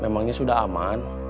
memangnya sudah aman